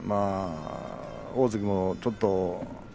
大関もちょっと。